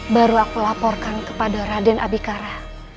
baru aku laporkan kepada raden abikara